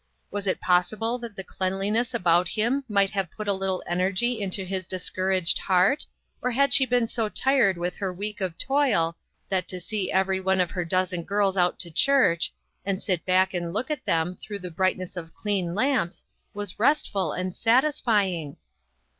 Was it possi ble that the cleanliness about him might have put a little energy into his discour aged heart, or had she been so tired with her week of toil, that to see every one of her dozen girls out to church, and sit back and look at them through the brightness of clean lamps, was restful and satisfying?